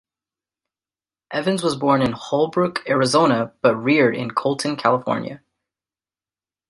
Evans was born in Holbrook, Arizona, but reared in Colton, California.